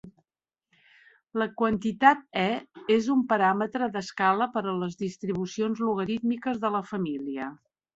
La quantitat "e" és un paràmetre d'escala per a les distribucions logarítmiques de la família.